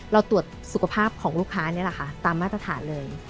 เราตรวจสุขภาพของลูกค้าตามมาตรฐานเลย